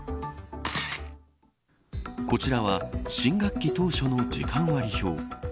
こちらは新学期当初の時間割表。